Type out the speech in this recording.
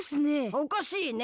おかしいね。